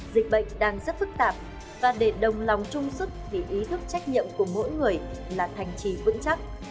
dịch bệnh đang rất phức tạp và để đồng lòng chung sức vì ý thức trách nhiệm của mỗi người là thành trì vững chắc